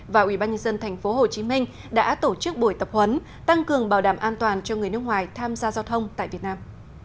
và ubnd tp hcm đã tổ chức buổi tập huấn tăng cường bảo đảm an toàn cho người nước ngoài tham gia giao thông tại việt nam